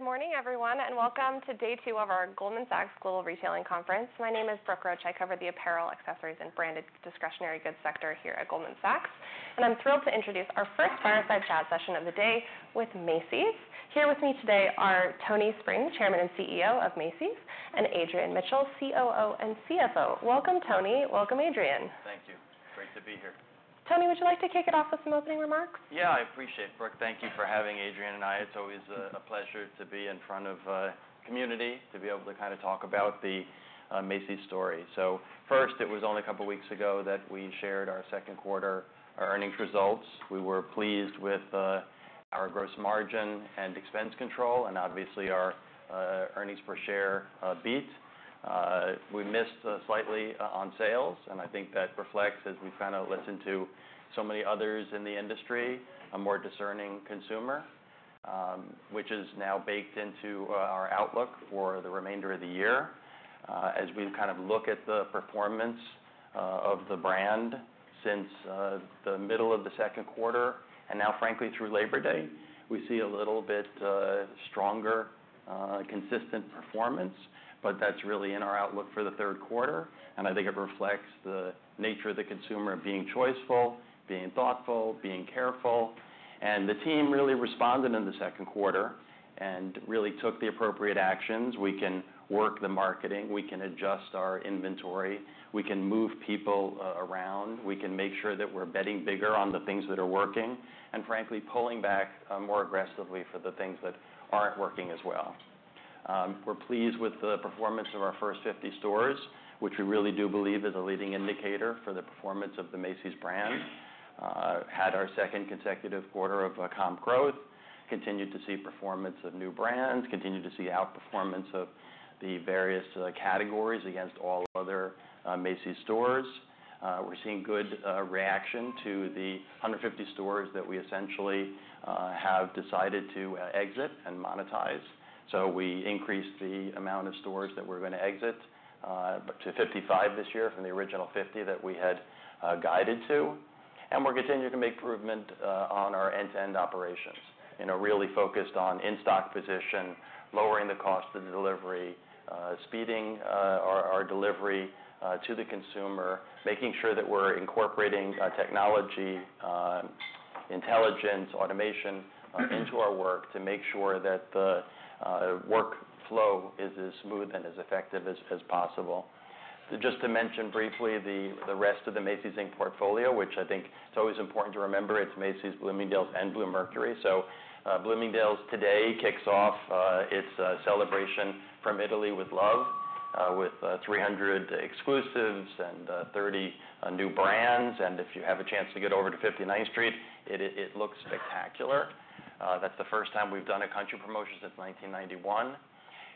Good morning, everyone, and welcome to day two of our Goldman Sachs Global Retailing Conference. My name is Brooke Roach. I cover the apparel, accessories, and branded discretionary goods sector here at Goldman Sachs, and I'm thrilled to introduce our first fireside chat session of the day with Macy's. Here with me today are Tony Spring, Chairman and CEO of Macy's, and Adrian Mitchell, COO and CFO. Welcome, Tony. Welcome, Adrian. Thank you. Great to be here. Tony, would you like to kick it off with some opening remarks? Yeah, I appreciate it, Brooke. Thank you for having Adrian and I. It's always a pleasure to be in front of community, to be able to kind of talk about the Macy's story. So first, it was only a couple of weeks ago that we shared our second quarter earnings results. We were pleased with our gross margin and expense control, and obviously, our earnings per share beat. We missed slightly on sales, and I think that reflects, as we've kind of listened to so many others in the industry, a more discerning consumer, which is now baked into our outlook for the remainder of the year. As we kind of look at the performance of the brand since the middle of the second quarter, and now frankly through Labor Day, we see a little bit stronger consistent performance, but that's really in our outlook for the third quarter, and I think it reflects the nature of the consumer being choiceful, being thoughtful, being careful, and the team really responded in the second quarter and really took the appropriate actions. We can work the marketing, we can adjust our inventory, we can move people around, we can make sure that we're betting bigger on the things that are working, and frankly, pulling back more aggressively for the things that aren't working as well. We're pleased with the performance of our First 50 stores, which we really do believe is a leading indicator for the performance of the Macy's brand. Had our second consecutive quarter of comp growth, continued to see performance of new brands, continued to see outperformance of the various categories against all other Macy's stores. We're seeing good reaction to the 150 stores that we essentially have decided to exit and monetize. So we increased the amount of stores that we're going to exit to 55 this year from the original 50 that we had guided to. And we're continuing to make improvement on our end-to-end operations, and are really focused on in-stock position, lowering the cost of delivery, speeding our delivery to the consumer, making sure that we're incorporating technology, intelligence, automation into our work to make sure that the work flow is as smooth and as effective as possible. Just to mention briefly, the rest of the Macy's Inc. portfolio, which I think it's always important to remember, it's Macy's, Bloomingdale's, and Bluemercury. So, Bloomingdale's today kicks off its celebration From Italy with Love with 300 exclusives and 30 new brands. And if you have a chance to get over to 59th Street, it looks spectacular. That's the first time we've done a country promotion since 1991.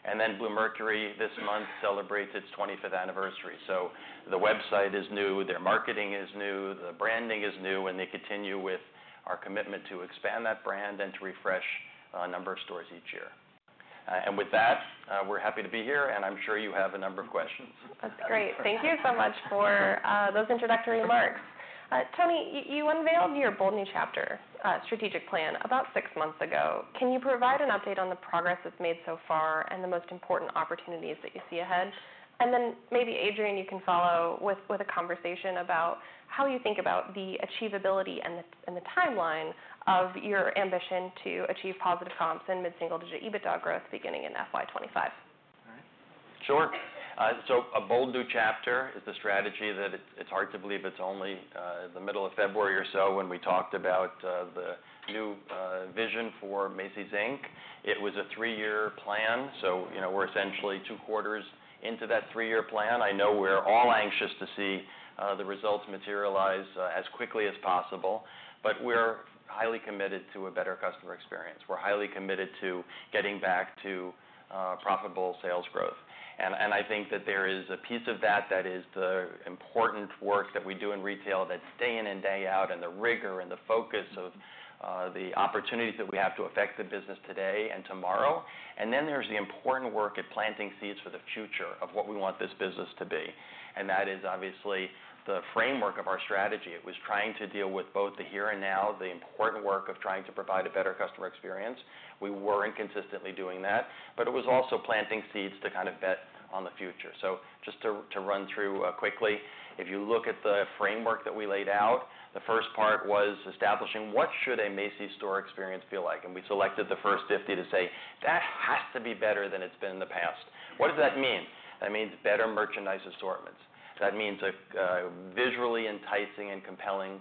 And then Bluemercury, this month, celebrates its 25th anniversary. So the website is new, their marketing is new, the branding is new, and they continue with our commitment to expand that brand and to refresh a number of stores each year. And with that, we're happy to be here, and I'm sure you have a number of questions. That's great. Thank you so much for those introductory remarks. Tony, you unveiled your Bold New Chapter strategic plan about six months ago. Can you provide an update on the progress that's made so far and the most important opportunities that you see ahead? And then maybe, Adrian, you can follow with a conversation about how you think about the achievability and the timeline of your ambition to achieve positive comps and mid-single digit EBITDA growth beginning in FY 2025. All right. Sure. So A Bold New Chapter is the strategy that it's hard to believe it's only the middle of February or so when we talked about the new vision for Macy's, Inc. It was a three-year plan, so you know, we're essentially two quarters into that three-year plan. I know we're all anxious to see the results materialize as quickly as possible, but we're highly committed to a better customer experience. We're highly committed to getting back to profitable sales growth. And I think that there is a piece of that that is the important work that we do in retail, that day in and day out, and the rigor and the focus of the opportunities that we have to affect the business today and tomorrow. And then there's the important work of planting seeds for the future of what we want this business to be, and that is obviously the framework of our strategy. It was trying to deal with both the here and now, the important work of trying to provide a better customer experience. We weren't consistently doing that, but it was also planting seeds to kind of bet on the future. So just to run through quickly, if you look at the framework that we laid out, the first part was establishing what should a Macy's store experience feel like? And we selected First 50 to say, "That has to be better than it's been in the past." What does that mean? That means better merchandise assortments. That means a visually enticing and compelling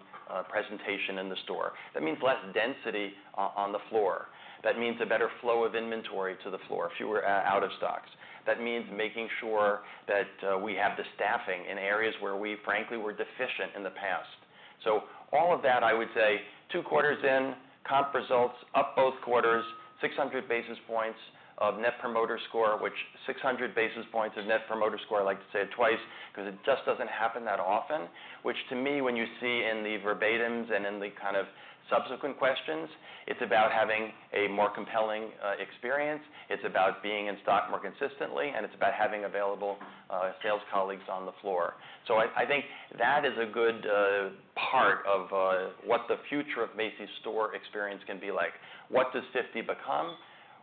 presentation in the store. That means less density on the floor. That means a better flow of inventory to the floor, fewer out of stocks. That means making sure that we have the staffing in areas where we frankly were deficient in the past. So all of that, I would say, two quarters in, comp results up both quarters, 600 basis points of Net Promoter Score, which 600 basis points of Net Promoter Score, I'd like to say it twice because it just doesn't happen that often, which to me, when you see in the verbatims and in the kind of subsequent questions, it's about having a more compelling experience, it's about being in stock more consistently, and it's about having available sales colleagues on the floor. So I think that is a good part of what the future of Macy's store experience can be like. What does 50 become?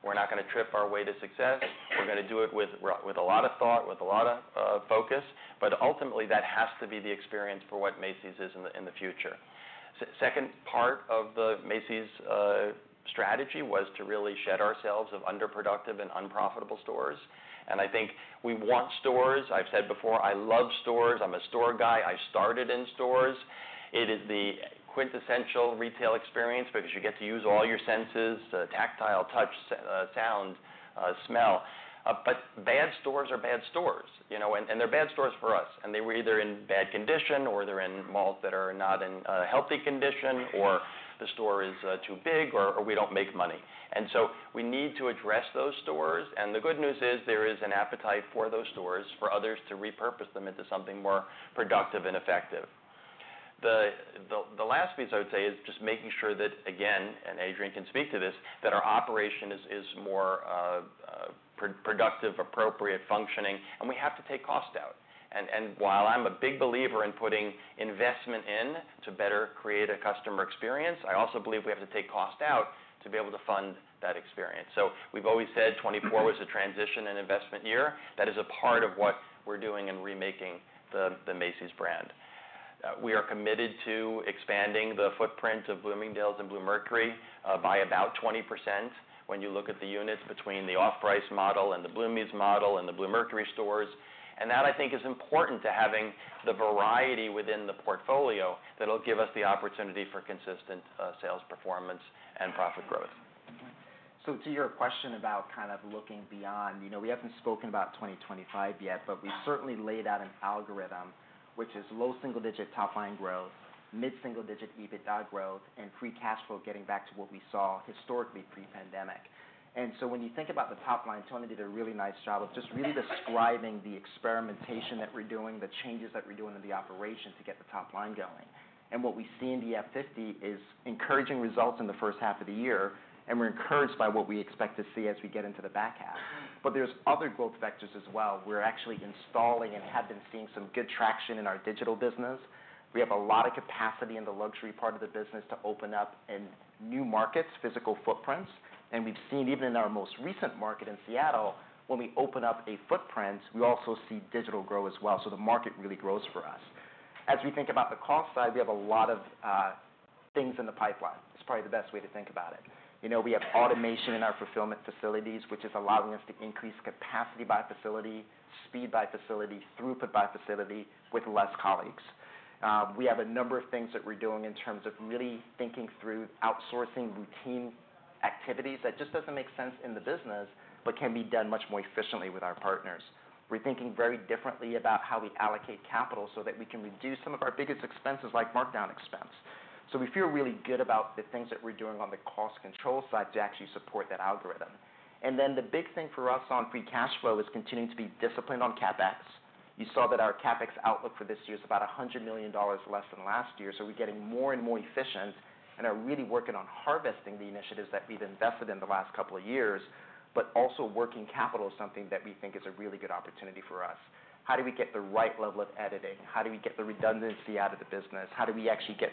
We're not going to trip our way to success. We're going to do it with a lot of thought, with a lot of focus, but ultimately, that has to be the experience for what Macy's is in the future. Second part of the Macy's strategy was to really shed ourselves of underproductive and unprofitable stores. And I think we want stores. I've said before, I love stores. I'm a store guy. I started in stores. It is the quintessential retail experience because you get to use all your senses, the tactile touch, sound, smell. But bad stores are bad stores, you know, and they're bad stores for us, and they were either in bad condition, or they're in malls that are not in healthy condition, or the store is too big, or we don't make money, and so we need to address those stores, and the good news is there is an appetite for those stores for others to repurpose them into something more productive and effective. The last piece I would say is just making sure that, again, and Adrian can speak to this, that our operation is more productive, appropriate functioning, and we have to take cost out, and while I'm a big believer in putting investment in to better create a customer experience, I also believe we have to take cost out to be able to fund that experience. So we've always said 2024 was a transition and investment year. That is a part of what we're doing in remaking the Macy's brand. We are committed to expanding the footprint of Bloomingdale's and Bluemercury by about 20%, when you look at the units between the off-price model and the Bloomie's model and the Bluemercury stores. And that, I think, is important to having the variety within the portfolio that'll give us the opportunity for consistent sales performance and profit growth. To your question about kind of looking beyond, you know, we haven't spoken about 2025 yet, but we certainly laid out an algorithm, which is low single-digit top-line growth, mid-single-digit EBITDA growth, and free cash flow, getting back to what we saw historically pre-pandemic. And so when you think about the top line, Tony did a really nice job of just really describing the experimentation that we're doing, the changes that we're doing in the operation to get the top line going. And what we see in the F50 is encouraging results in the H1 of the year, and we're encouraged by what we expect to see as we get into the back half. But there's other growth vectors as well. We're actually installing and have been seeing some good traction in our digital business. We have a lot of capacity in the luxury part of the business to open up in new markets, physical footprints. And we've seen, even in our most recent market in Seattle, when we open up a footprint, we also see digital growth as well. So the market really grows for us. As we think about the cost side, we have a lot of things in the pipeline. It's probably the best way to think about it. You know, we have automation in our fulfillment facilities, which is allowing us to increase capacity by facility, speed by facility, throughput by facility with less colleagues. We have a number of things that we're doing in terms of really thinking through outsourcing routine activities that just doesn't make sense in the business, but can be done much more efficiently with our partners. We're thinking very differently about how we allocate capital so that we can reduce some of our biggest expenses, like markdown expense. So we feel really good about the things that we're doing on the cost control side to actually support that algorithm. And then the big thing for us on free cash flow is continuing to be disciplined on CapEx. You saw that our CapEx outlook for this year is about $100 million less than last year, so we're getting more and more efficient and are really working on harvesting the initiatives that we've invested in the last couple of years. But also, working capital is something that we think is a really good opportunity for us. How do we get the right level of editing? How do we get the redundancy out of the business? How do we actually get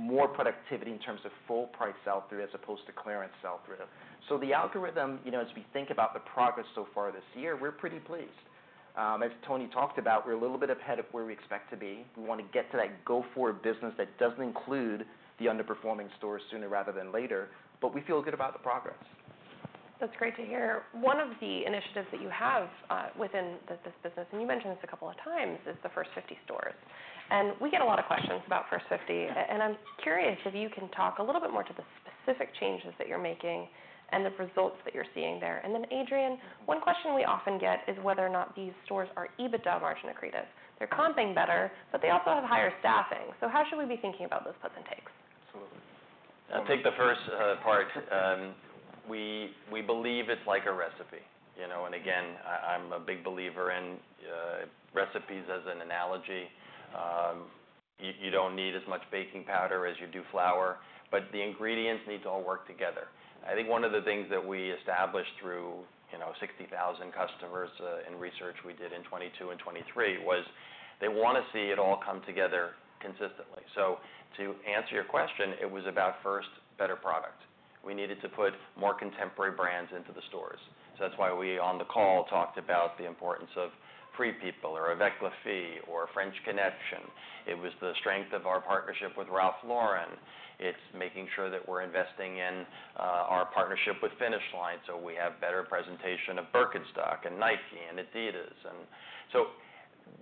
more productivity in terms of full price sell-through as opposed to clearance sell-through? So the algorithm, you know, as we think about the progress so far this year, we're pretty pleased. As Tony talked about, we're a little bit ahead of where we expect to be. We want to get to that go-forward business that doesn't include the underperforming stores sooner rather than later, but we feel good about the progress. That's great to hear. One of the initiatives that you have within this business, and you mentioned this a couple of times, is the First 50 stores. And we get a lot of questions about First 50, and I'm curious if you can talk a little bit more to the specific changes that you're making and the results that you're seeing there. And then, Adrian, one question we often get is whether or not these stores are EBITDA margin accretive. They're comping better, but they also have higher staffing. So how should we be thinking about those plus and takes? Absolutely. I'll take the first part. We believe it's like a recipe, you know, and again, I'm a big believer in recipes as an analogy. You don't need as much baking powder as you do flour, but the ingredients need to all work together. I think one of the things that we established through, you know, 60,000 customers, in research we did in 2022 and 2023, was they wanna see it all come together consistently. So to answer your question, it was about, first, better product. We needed to put more contemporary brands into the stores. So that's why we, on the call, talked about the importance of Free People or Avec Les Filles or French Connection. It was the strength of our partnership with Ralph Lauren. It's making sure that we're investing in, our partnership with Finish Line, so we have better presentation of Birkenstock and Nike and Adidas. And so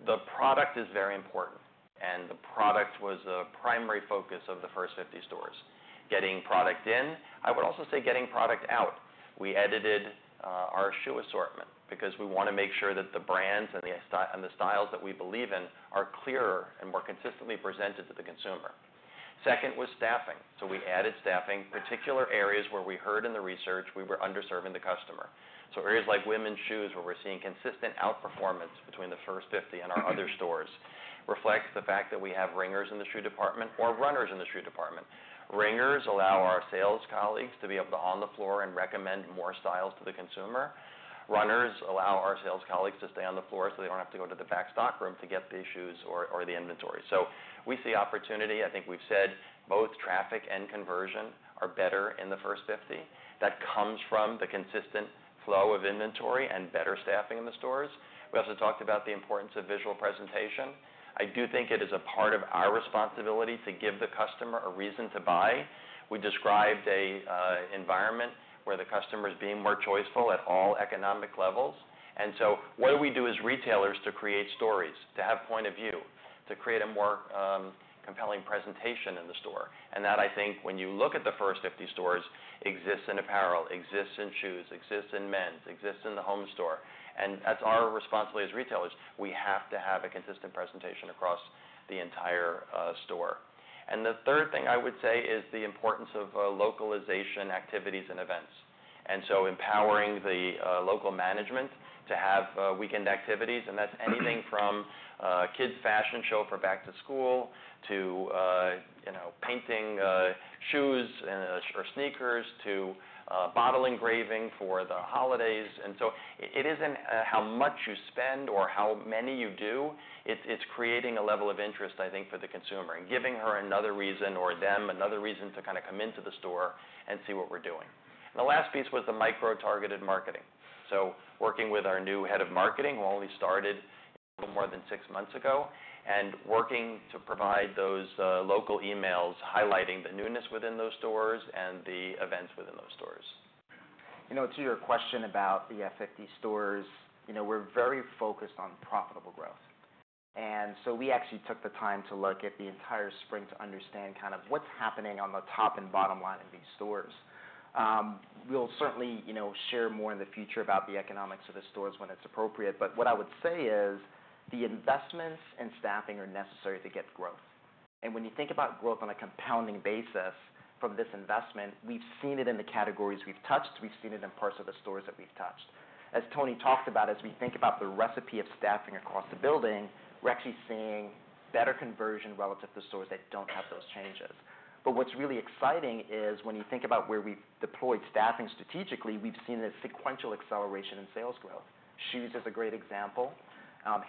the product is very important, and the product was a primary focus of the First 50 stores. Getting product in, I would also say getting product out. We edited our shoe assortment because we wanna make sure that the brands and the styles that we believe in are clearer and more consistently presented to the consumer. Second was staffing. So we added staffing, particular areas where we heard in the research we were underserving the customer. So areas like women's shoes, where we're seeing consistent outperformance between the First 50 and our other stores, reflects the fact that we have ringers in the shoe department or runners in the shoe department. Ringers allow our sales colleagues to be able to on the floor and recommend more styles to the consumer. Runners allow our sales colleagues to stay on the floor, so they don't have to go to the back stock room to get the issues or the inventory. So we see opportunity. I think we've said both traffic and conversion are better in the First 50. That comes from the consistent flow of inventory and better staffing in the stores. We also talked about the importance of visual presentation. I do think it is a part of our responsibility to give the customer a reason to buy. We described a environment where the customer is being more choiceful at all economic levels, and so what do we do as retailers to create stories, to have point of view, to create a more compelling presentation in the store? And that, I think, when you look at the First 50 stores, exists in apparel, exists in shoes, exists in men's, exists in the home store, and that's our responsibility as retailers. We have to have a consistent presentation across the entire store. And the third thing I would say is the importance of localization activities and events. And so empowering the local management to have weekend activities, and that's anything from kids fashion show for back to school, to you know painting shoes and or sneakers, to bottle engraving for the holidays. And so it isn't how much you spend or how many you do, it's creating a level of interest, I think, for the consumer and giving her another reason or them another reason to kind of come into the store and see what we're doing. And the last piece was the micro-targeted marketing. Working with our new head of marketing, who only started a little more than six months ago, and working to provide those local emails, highlighting the newness within those stores and the events within those stores. You know, to your question about the F50 stores, you know, we're very focused on profitable growth. And so we actually took the time to look at the entire spreadsheet to understand kind of what's happening on the top and bottom line in these stores. We'll certainly, you know, share more in the future about the economics of the stores when it's appropriate. But what I would say is, the investments and staffing are necessary to get growth. And when you think about growth on a compounding basis from this investment, we've seen it in the categories we've touched, we've seen it in parts of the stores that we've touched. As Tony talked about, as we think about the recipe of staffing across the building, we're actually seeing better conversion relative to stores that don't have those changes. But what's really exciting is, when you think about where we've deployed staffing strategically, we've seen a sequential acceleration in sales growth. Shoes is a great example,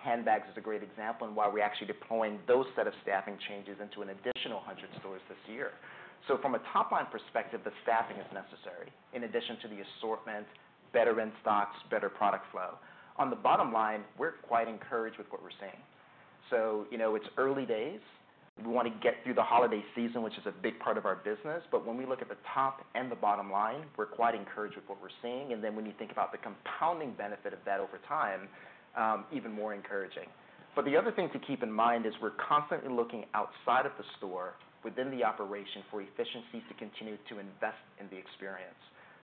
handbags is a great example, and while we're actually deploying those set of staffing changes into an additional hundred stores this year. So from a top line perspective, the staffing is necessary, in addition to the assortment, better in stocks, better product flow. On the bottom line, we're quite encouraged with what we're seeing. So, you know, it's early days. We want to get through the holiday season, which is a big part of our business. But when we look at the top and the bottom line, we're quite encouraged with what we're seeing, and then when you think about the compounding benefit of that over time, even more encouraging. But the other thing to keep in mind is we're constantly looking outside of the store, within the operation, for efficiency to continue to invest in the experience,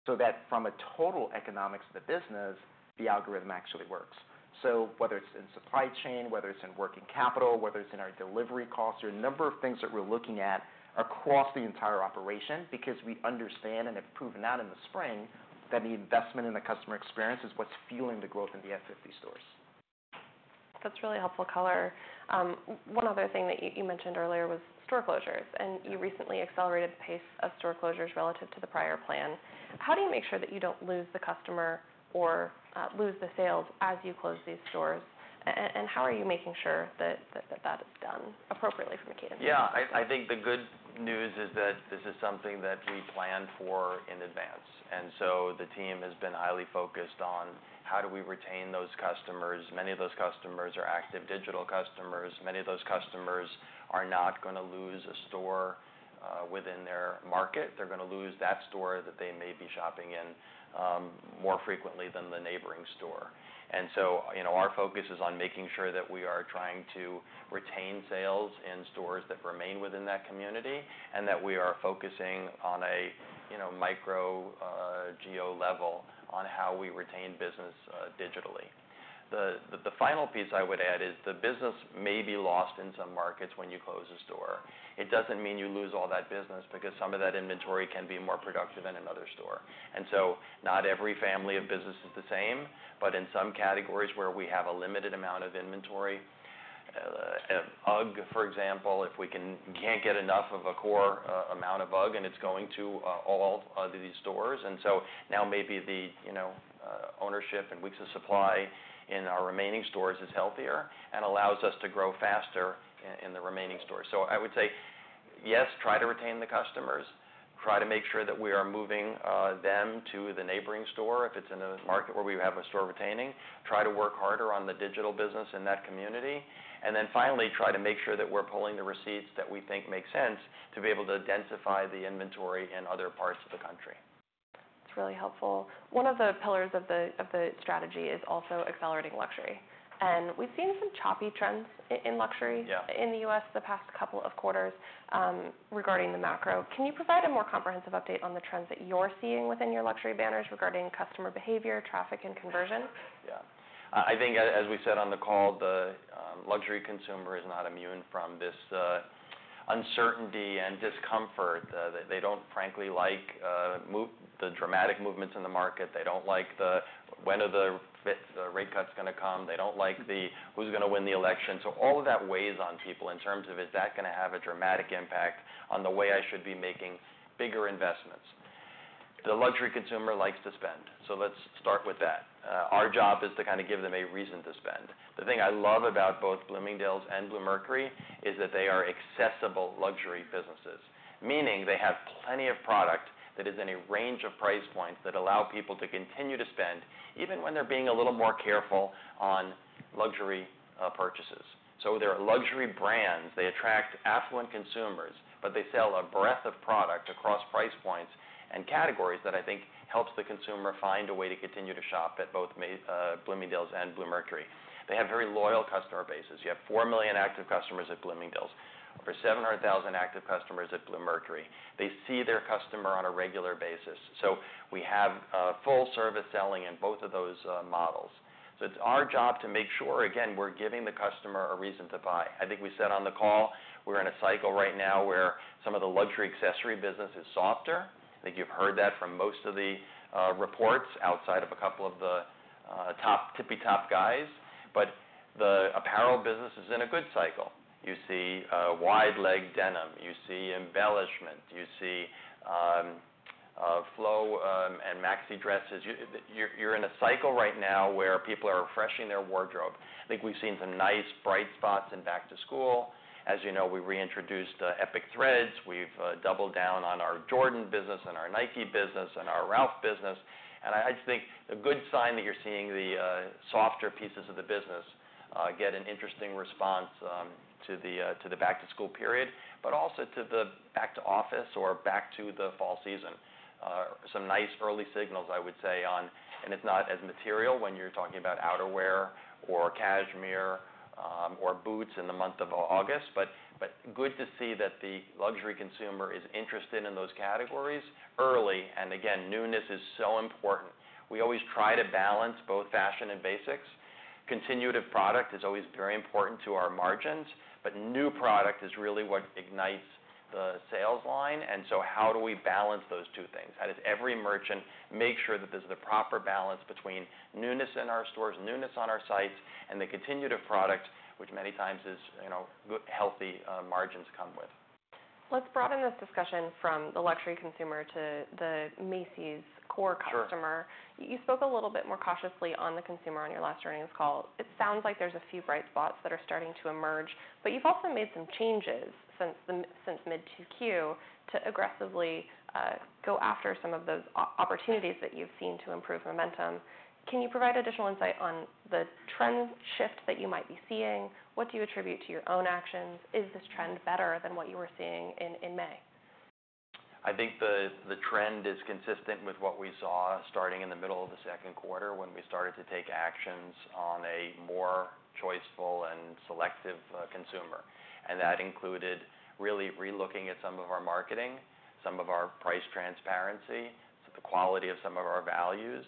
so that from a total economics of the business, the algorithm actually works. So whether it's in supply chain, whether it's in working capital, whether it's in our delivery costs, there are a number of things that we're looking at across the entire operation because we understand, and have proven that in the spring, that the investment in the customer experience is what's fueling the growth in the F50 stores. That's really helpful color. One other thing that you mentioned earlier was store closures, and you recently accelerated the pace of store closures relative to the prior plan. How do you make sure that you don't lose the customer or lose the sales as you close these stores, and how are you making sure that that is done appropriately from a cadence? Yeah, I think the good news is that this is something that we planned for in advance, and so the team has been highly focused on: how do we retain those customers? Many of those customers are active digital customers. Many of those customers are not gonna lose a store within their market. They're gonna lose that store that they may be shopping in more frequently than the neighboring store. And so, you know, our focus is on making sure that we are trying to retain sales in stores that remain within that community, and that we are focusing on a, you know, micro geo level on how we retain business digitally. The final piece I would add is, the business may be lost in some markets when you close a store. It doesn't mean you lose all that business, because some of that inventory can be more productive in another store. And so not every family of business is the same, but in some categories where we have a limited amount of inventory, UGG, for example, if we can't get enough of a core amount of UGG, and it's going to all of these stores, and so now maybe the, you know, ownership and weeks of supply in our remaining stores is healthier and allows us to grow faster in the remaining stores. So I would say, yes, try to retain the customers, try to make sure that we are moving them to the neighboring store if it's in a market where we have a store retaining, try to work harder on the digital business in that community, and then finally, try to make sure that we're pulling the receipts that we think make sense to be able to identify the inventory in other parts of the country. It's really helpful. One of the pillars of the strategy is also accelerating luxury, and we've seen some choppy trends in luxury. Yeah... in the U.S. the past couple of quarters, regarding the macro. Can you provide a more comprehensive update on the trends that you're seeing within your luxury banners regarding customer behavior, traffic, and conversion? Yeah. I think as we said on the call, the luxury consumer is not immune from this uncertainty and discomfort. They don't frankly like the dramatic movements in the market. They don't like the when are the rate cuts gonna come. They don't like the who's gonna win the election. So all of that weighs on people in terms of: Is that gonna have a dramatic impact on the way I should be making bigger investments?... The luxury consumer likes to spend, so let's start with that. Our job is to kind of give them a reason to spend. The thing I love about both Bloomingdale's and Bluemercury is that they are accessible luxury businesses, meaning they have plenty of product that is in a range of price points that allow people to continue to spend, even when they're being a little more careful on luxury purchases. So they're luxury brands. They attract affluent consumers, but they sell a breadth of product across price points and categories that I think helps the consumer find a way to continue to shop at both Bloomingdale's and Bluemercury. They have very loyal customer bases. You have four million active customers at Bloomingdale's, over 700,000 active customers at Bluemercury. They see their customer on a regular basis, so we have a full service selling in both of those models. So it's our job to make sure, again, we're giving the customer a reason to buy. I think we said on the call, we're in a cycle right now where some of the luxury accessory business is softer. I think you've heard that from most of the reports, outside of a couple of the top-tippy-top guys. But the apparel business is in a good cycle. You see wide-leg denim, you see embellishment, you see flow, and maxi dresses. You're in a cycle right now where people are refreshing their wardrobe. I think we've seen some nice, bright spots in back to school. As you know, we reintroduced Epic Threads. We've doubled down on our Jordan business and our Nike business and our Ralph business, and I just think a good sign that you're seeing the softer pieces of the business get an interesting response to the back to school period, but also to the back to office or back to the fall season. Some nice early signals, I would say, and it's not as material when you're talking about outerwear or cashmere or boots in the month of August, but good to see that the luxury consumer is interested in those categories early. And again, newness is so important. We always try to balance both fashion and basics. Continuative product is always very important to our margins, but new product is really what ignites the sales line. And so how do we balance those two things? How does every merchant make sure that there's the proper balance between newness in our stores, newness on our sites, and the continuative product, which many times is, you know, good, healthy, margins come with? Let's broaden this discussion from the luxury consumer to the Macy's core customer. Sure. You spoke a little bit more cautiously on the consumer on your last earnings call. It sounds like there's a few bright spots that are starting to emerge, but you've also made some changes since mid 2Q to aggressively go after some of those opportunities that you've seen to improve momentum. Can you provide additional insight on the trend shift that you might be seeing? What do you attribute to your own actions? Is this trend better than what you were seeing in May? I think the trend is consistent with what we saw starting in the middle of the second quarter, when we started to take actions on a more choiceful and selective consumer. And that included really relooking at some of our marketing, some of our price transparency, the quality of some of our values,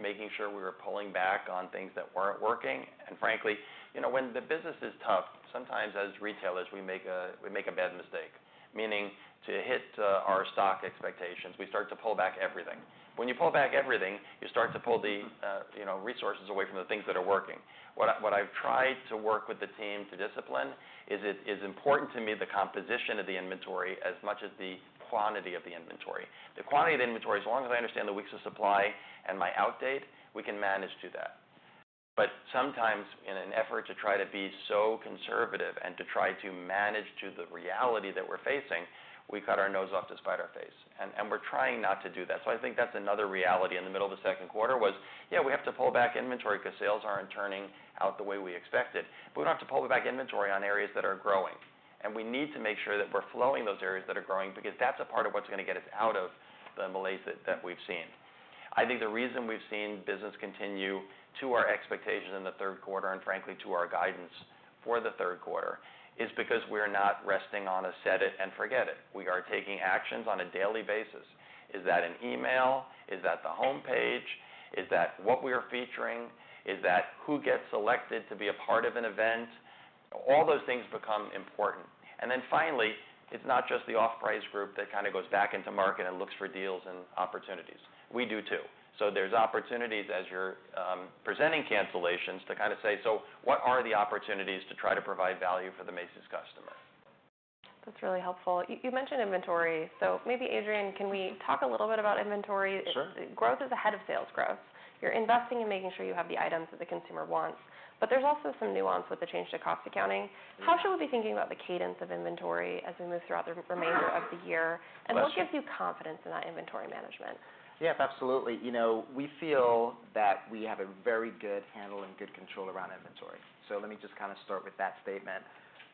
making sure we were pulling back on things that weren't working. And frankly, you know, when the business is tough, sometimes as retailers, we make a bad mistake, meaning to hit our stock expectations, we start to pull back everything. When you pull back everything, you start to pull the, you know, resources away from the things that are working. What I've tried to work with the team to discipline is important to me, the composition of the inventory, as much as the quantity of the inventory. The quantity of the inventory, as long as I understand the weeks of supply and my out date, we can manage through that, but sometimes in an effort to try to be so conservative and to try to manage to the reality that we're facing, we cut our nose off to spite our face, and we're trying not to do that, so I think that's another reality. In the middle of the second quarter, yeah, we have to pull back inventory because sales aren't turning out the way we expected. But we don't have to pull back inventory on areas that are growing, and we need to make sure that we're flowing those areas that are growing, because that's a part of what's going to get us out of the malaise that we've seen. I think the reason we've seen business continue to our expectation in the third quarter, and frankly, to our guidance for the third quarter, is because we're not resting on a set it and forget it. We are taking actions on a daily basis. Is that an email? Is that the homepage? Is that what we are featuring? Is that who gets selected to be a part of an event? All those things become important. And then finally, it's not just the off-price group that kind of goes back into market and looks for deals and opportunities. We do, too. So there's opportunities as you're presenting cancellations to kind of say, "So what are the opportunities to try to provide value for the Macy's customer? That's really helpful. You mentioned inventory, so maybe, Adrian, can we talk a little bit about inventory? Sure. Growth is ahead of sales growth. You're investing in making sure you have the items that the consumer wants, but there's also some nuance with the change to cost accounting. How should we be thinking about the cadence of inventory as we move throughout the remainder of the year? Well- What gives you confidence in that inventory management? Yes, absolutely. You know, we feel that we have a very good handle and good control around inventory. So let me just kind of start with that statement.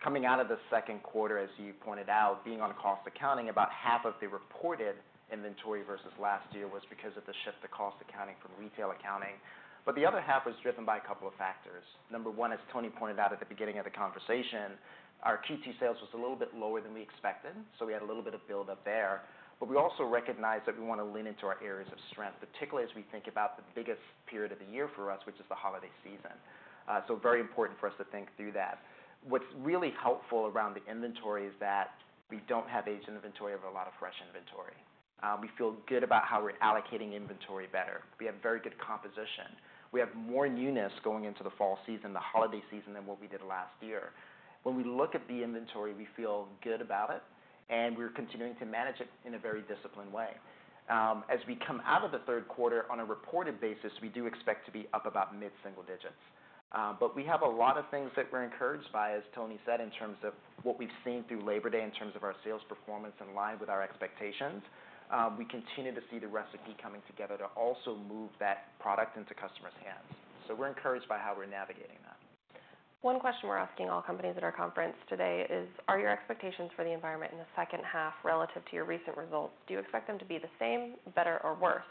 Coming out of the second quarter, as you pointed out, being on cost accounting, about half of the reported inventory versus last year was because of the shift to cost accounting from retail accounting. But the other half was driven by a couple of factors. Number one, as Tony pointed out at the beginning of the conversation, our Q2 sales was a little bit lower than we expected, so we had a little bit of build-up there. But we also recognized that we want to lean into our areas of strength, particularly as we think about the biggest period of the year for us, which is the holiday season, so very important for us to think through that. What's really helpful around the inventory is that we don't have aged inventory, we have a lot of fresh inventory. We feel good about how we're allocating inventory better. We have very good composition. We have more newness going into the fall season, the holiday season, than what we did last year. When we look at the inventory, we feel good about it, and we're continuing to manage it in a very disciplined way. As we come out of the third quarter, on a reported basis, we do expect to be up about mid-single digits. But we have a lot of things that we're encouraged by, as Tony said, in terms of what we've seen through Labor Day, in terms of our sales performance in line with our expectations. We continue to see the recipe coming together to also move that product into customers' hands. So we're encouraged by how we're navigating that. One question we're asking all companies at our conference today is: Are your expectations for the environment in the H2 relative to your recent results? Do you expect them to be the same, better, or worse?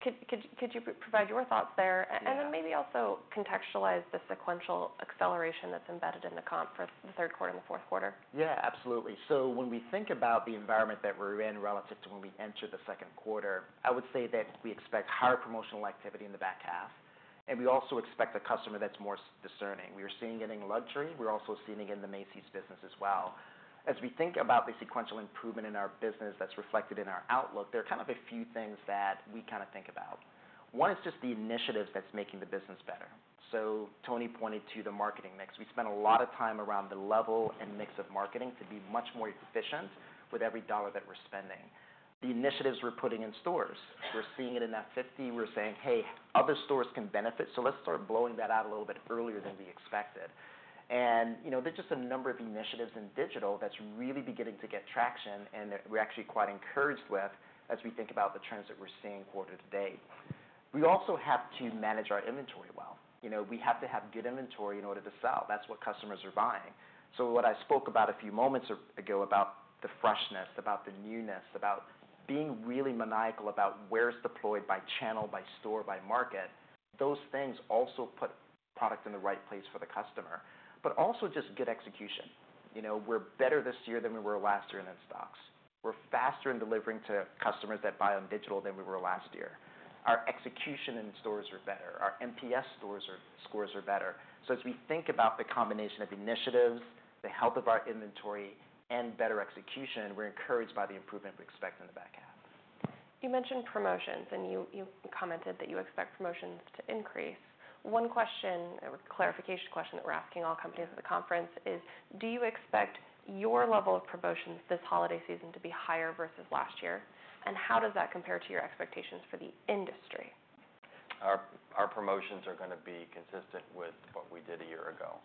Could you provide your thoughts there? Yeah. And then maybe also contextualize the sequential acceleration that's embedded in the comp for the third quarter and the fourth quarter? Yeah, absolutely. So when we think about the environment that we're in relative to when we entered the second quarter, I would say that we expect higher promotional activity in the back half, and we also expect a customer that's more discerning. We are seeing it in luxury. We're also seeing it in the Macy's business as well. As we think about the sequential improvement in our business that's reflected in our outlook, there are kind of a few things that we kind of think about. One is just the initiatives that's making the business better. So Tony pointed to the marketing mix. We spent a lot of time around the level and mix of marketing to be much more efficient with every dollar that we're spending. The initiatives we're putting in stores, we're seeing it in that 50. We're saying: "Hey, other stores can benefit, so let's start blowing that out a little bit earlier than we expected." And, you know, there's just a number of initiatives in digital that's really beginning to get traction, and that we're actually quite encouraged with as we think about the trends that we're seeing quarter to date. We also have to manage our inventory well. You know, we have to have good inventory in order to sell. That's what customers are buying. So what I spoke about a few moments ago, about the freshness, about the newness, about being really maniacal, about where it's deployed by channel, by store, by market, those things also put product in the right place for the customer. But also just good execution. You know, we're better this year than we were last year in in-stocks. We're faster in delivering to customers that buy on digital than we were last year. Our execution in stores are better. Our NPS store scores are better. So as we think about the combination of initiatives, the health of our inventory, and better execution, we're encouraged by the improvement we expect in the back half. You mentioned promotions, and you commented that you expect promotions to increase. One question, or clarification question, that we're asking all companies at the conference is: Do you expect your level of promotions this holiday season to be higher versus last year? And how does that compare to your expectations for the industry? Our promotions are gonna be consistent with what we did a year ago.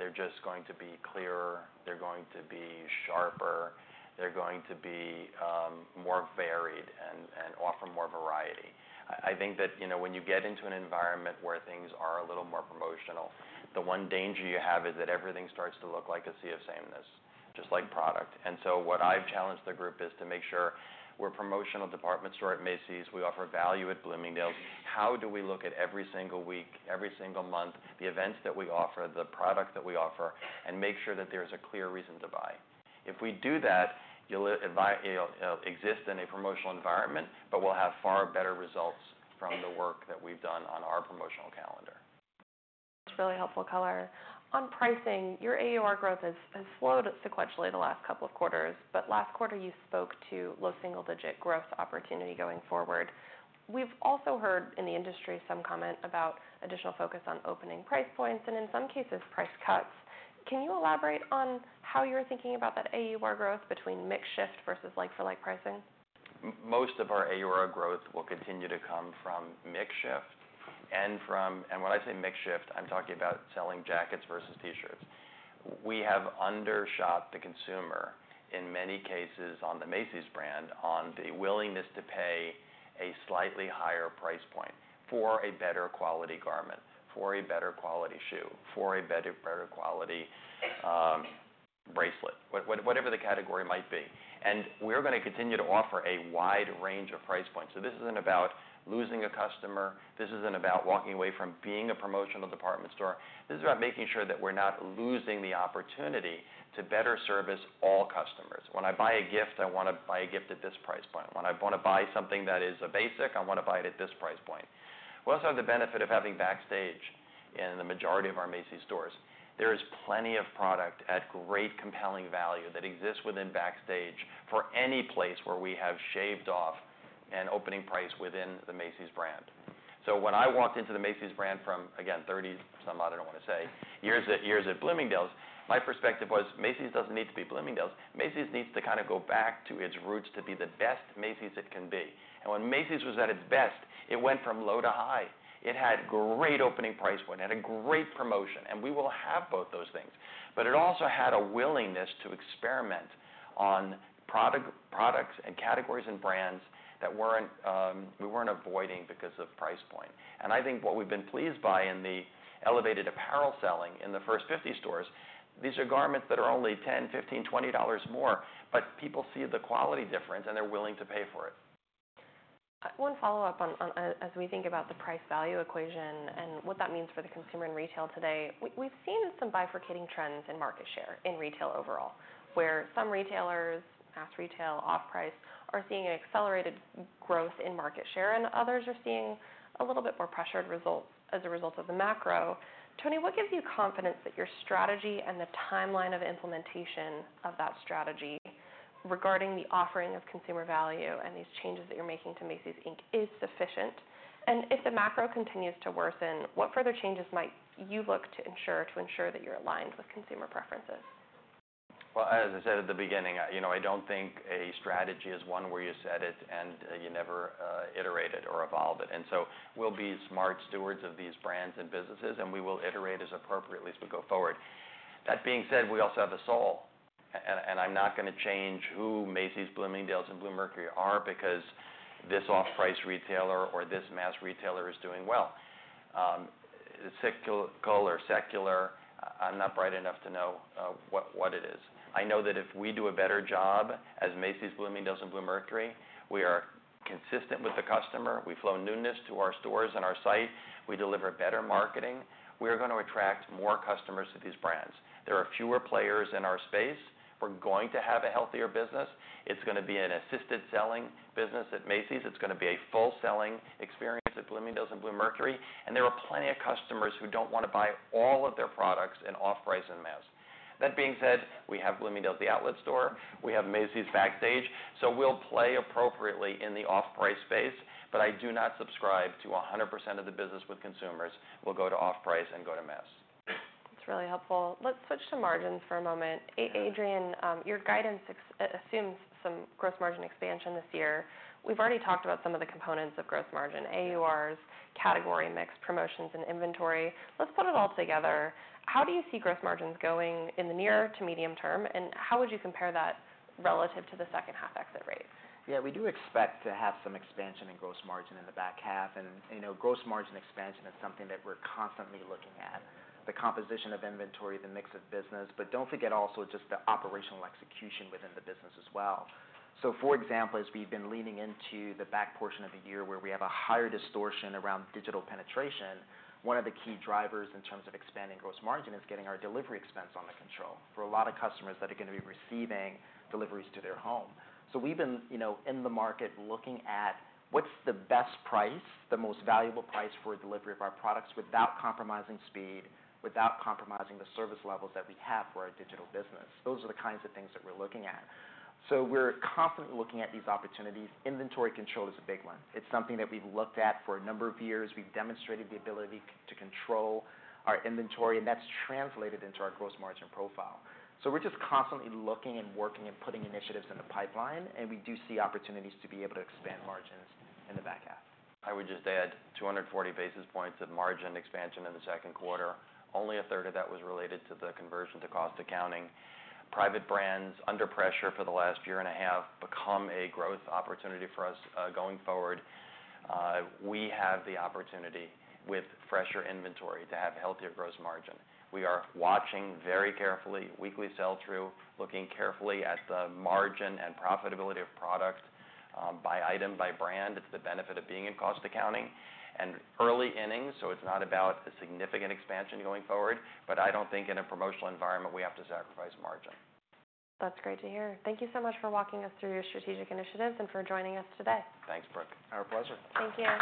They're just going to be clearer, they're going to be sharper, they're going to be more varied and offer more variety. I think that, you know, when you get into an environment where things are a little more promotional, the one danger you have is that everything starts to look like a sea of sameness, just like product. And so what I've challenged the group is to make sure we're a promotional department store at Macy's, we offer value at Bloomingdale's. How do we look at every single week, every single month, the events that we offer, the product that we offer, and make sure that there's a clear reason to buy? If we do that, you'll likely buy. It'll exist in a promotional environment, but we'll have far better results from the work that we've done on our promotional calendar. It's really helpful color. On pricing, your AUR growth has slowed sequentially the last couple of quarters, but last quarter, you spoke to low single-digit growth opportunity going forward. We've also heard in the industry some comment about additional focus on opening price points and, in some cases, price cuts. Can you elaborate on how you're thinking about that AUR growth between mix shift versus like-for-like pricing? Most of our AUR growth will continue to come from mix shift and from mix shift. When I say mix shift, I'm talking about selling jackets versus T-shirts. We have undershot the consumer, in many cases, on the Macy's brand, on the willingness to pay a slightly higher price point for a better quality garment, for a better quality shoe, for a better quality bracelet, whatever the category might be. We're gonna continue to offer a wide range of price points. This isn't about losing a customer. This isn't about walking away from being a promotional department store. This is about making sure that we're not losing the opportunity to better service all customers. When I buy a gift, I want to buy a gift at this price point. When I want to buy something that is a basic, I want to buy it at this price point. We also have the benefit of having Backstage in the majority of our Macy's stores. There is plenty of product at great, compelling value that exists within Backstage for any place where we have shaved off an opening price within the Macy's brand. So when I walked into the Macy's brand from, again, 30 some odd, I don't want to say, years at Bloomingdale's, my perspective was: Macy's doesn't need to be Bloomingdale's. Macy's needs to kind of go back to its roots to be the best Macy's it can be, and when Macy's was at its best, it went from low to high. It had great opening price point, it had a great promotion, and we will have both those things. But it also had a willingness to experiment on products and categories and brands that we weren't avoiding because of price point. And I think what we've been pleased by in the elevated apparel selling in the First 50 stores, these are garments that are only $10, $15, $20 more, but people see the quality difference, and they're willing to pay for it. One follow-up on as we think about the price value equation and what that means for the consumer in retail today. We've seen some bifurcating trends in market share in retail overall, where some retailers, mass retail, off price, are seeing an accelerated growth in market share, and others are seeing a little bit more pressured results as a result of the macro. Tony, what gives you confidence that your strategy and the timeline of implementation of that strategy regarding the offering of consumer value and these changes that you're making to Macy's, Inc is sufficient? And if the macro continues to worsen, what further changes might you look to ensure that you're aligned with consumer preferences? As I said at the beginning, you know, I don't think a strategy is one where you set it and you never iterate it or evolve it. And so we'll be smart stewards of these brands and businesses, and we will iterate as appropriately as we go forward. That being said, we also have a soul, and I'm not gonna change who Macy's, Bloomingdale's, and Bluemercury are because this off-price retailer or this mass retailer is doing well. Cyclical or secular, I'm not bright enough to know what it is. I know that if we do a better job as Macy's, Bloomingdale's, and Bluemercury, we are consistent with the customer. We flow newness to our stores and our site. We deliver better marketing. We're gonna attract more customers to these brands. There are fewer players in our space. We're going to have a healthier business. It's gonna be an assisted selling business at Macy's. It's gonna be a full selling experience at Bloomingdale's and Bluemercury, and there are plenty of customers who don't want to buy all of their products in off-price and mass. That being said, we have Bloomingdale's, the outlet store, we have Macy's Backstage, so we'll play appropriately in the off-price space. But I do not subscribe to 100% of the business with consumers will go to off-price and go to mass. That's really helpful. Let's switch to margins for a moment. Adrian, your guidance assumes some gross margin expansion this year. We've already talked about some of the components of gross margin, AURs, category mix, promotions, and inventory. Let's put it all together. How do you see gross margins going in the near to medium term, and how would you compare that relative to the H2 exit rate? Yeah, we do expect to have some expansion in gross margin in the back half, and, you know, gross margin expansion is something that we're constantly looking at. The composition of inventory, the mix of business, but don't forget also, just the operational execution within the business as well, so for example, as we've been leaning into the back portion of the year, where we have a higher distortion around digital penetration, one of the key drivers in terms of expanding gross margin is getting our delivery expense under control for a lot of customers that are gonna be receiving deliveries to their home, so we've been, you know, in the market, looking at what's the best price, the most valuable price for delivery of our products, without compromising speed, without compromising the service levels that we have for our digital business. Those are the kinds of things that we're looking at. So we're constantly looking at these opportunities. Inventory control is a big one. It's something that we've looked at for a number of years. We've demonstrated the ability to control our inventory, and that's translated into our gross margin profile. So we're just constantly looking and working and putting initiatives in the pipeline, and we do see opportunities to be able to expand margins in the back half. I would just add 240 basis points of margin expansion in the second quarter. Only 1/3 of that was related to the conversion to cost accounting. Private brands, under pressure for the last year and a half, become a growth opportunity for us, going forward. We have the opportunity, with fresher inventory, to have healthier gross margin. We are watching very carefully, weekly sell-through, looking carefully at the margin and profitability of product, by item, by brand. It's the benefit of being in cost accounting and early innings, so it's not about a significant expansion going forward. But I don't think in a promotional environment, we have to sacrifice margin. That's great to hear. Thank you so much for walking us through your strategic initiatives and for joining us today. Thanks, Brooke. Our pleasure. Thank you.